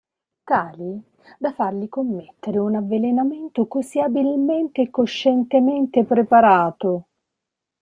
Tali da fargli commettere un avvelenamento così abilmente e coscientemente preparato.